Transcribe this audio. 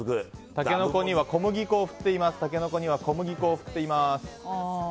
タケノコには小麦粉を振っています。